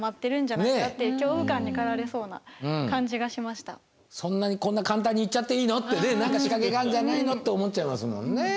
すごい何かそんなにこんな簡単に行っちゃっていいの？ってね何か仕掛けがあるんじゃないの？って思っちゃいますもんね。